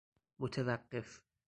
متوقف